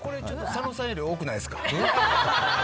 佐野さんより多くないですか？